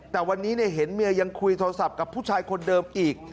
แต่วันนี้เห็นเมียยังคุยโทรศัพท์กับผู้ชายคนเดิมอีก